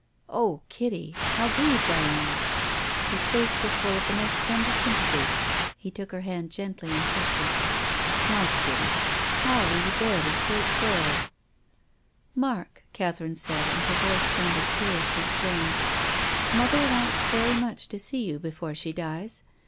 " Oh, Kitty ! How grieved I am !" His face was full of the most tender sympathy. He took her hand gently and kissed her. << TTTTT T »•.,».^^^^^ tt WILLIAM FOSTER." 163 " My Kitty, how will you bear this great sor ?M " Mark," Catherine said, and her voice sounded curiously strained. " Mother wants very much to see you, before she dies.